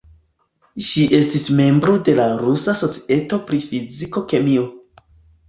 Ŝi estis membro de la Rusa Societo pri Fiziko-kemio.